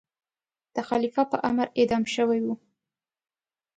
د خلیفه په امر اعدام شوی وي.